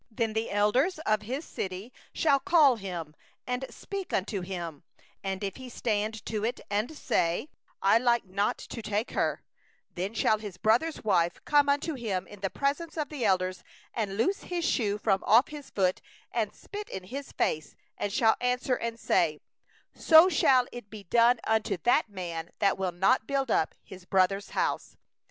8Then the elders of his city shall call him, and speak unto him; and if he stand, and say: 'I like not to take her'; 9then shall his brother's wife draw nigh unto him in the presence of the elders, and loose his shoe from off his foot, and spit in his face; and she shall answer and say: 'So shall it be done unto the man that doth not build up his brother's house.